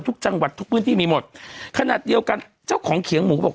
ทุกจังหวัดทุกพื้นที่มีหมดขนาดเดียวกันเจ้าของเขียงหมูบอก